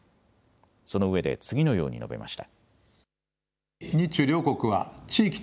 そのうえで次のように述べました。